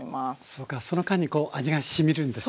そうかその間にこう味がしみるんですね。